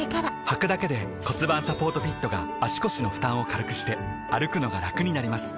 はくだけで骨盤サポートフィットが腰の負担を軽くして歩くのがラクになります